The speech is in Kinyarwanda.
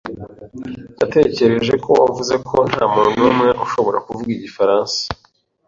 Natekereje ko wavuze ko ntamuntu numwe ushobora kuvuga igifaransa